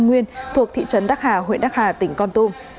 nguyên thuộc thị trấn đắc hà huyện đắc hà tỉnh con tum